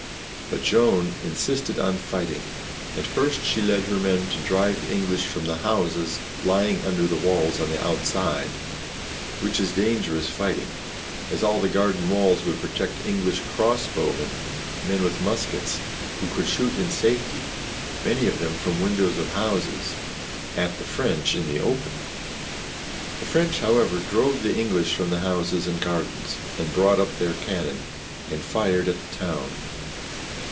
But Joan insisted on fighting, and first she led her men to drive the English from the houses lying HOW SHE TOOK JARGEAU 51 under the walls on the outside, which is dangerous fighting, as all the garden walls would protect English cross bowmen, and men with muskets, who could shoot in safety, many of them from windows of houses, at the French in the open. The French, how ever, drove the English from the houses and gardens, and brought up their cannon, and fired at the town.